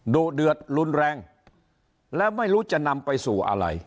ดุเดือดรุนแรงแล้วไม่รู้จะนำไปสู่อะไร